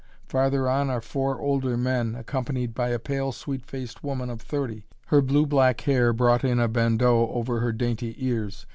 Farther on are four older men, accompanied by a pale, sweet faced woman of thirty, her blue black hair brought in a bandeau over her dainty ears.